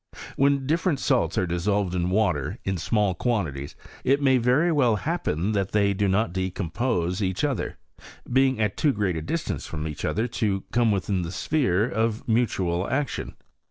When different salts are dis solved in water in small quantities, it may very well PROGRESS OF CHEMISTRY IN FRANCE. 85 happen that they do not decompose each other, being at too great a distance from each other to come within the sphere of mutual action.